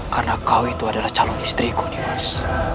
karena kau itu adalah calon istriku nimas